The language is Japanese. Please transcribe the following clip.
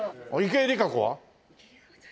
池江璃花子さんは。